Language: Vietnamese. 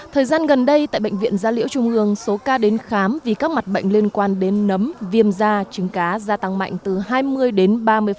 thời gian gần đây tại bệnh viện gia liễu trung ương số ca đến khám vì các mặt bệnh liên quan đến nấm viêm da trứng cá gia tăng mạnh từ hai mươi đến ba mươi